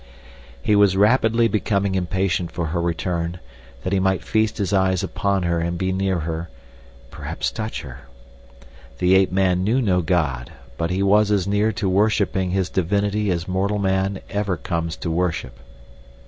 He was rapidly becoming impatient for her return, that he might feast his eyes upon her and be near her, perhaps touch her. The ape man knew no god, but he was as near to worshipping his divinity as mortal man ever comes to worship.